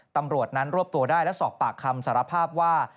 ตำรวจนั้นรวบตัวได้และสอบปากคำสารภาพว่า